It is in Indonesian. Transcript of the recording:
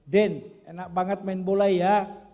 den enak banget main bola ya